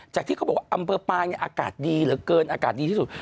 ที่เขาบอกว่าอำเภอปางเนี่ยอากาศดีเหลือเกินอากาศดีที่สุด